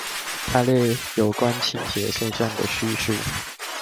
下列有關傾斜現象的敘述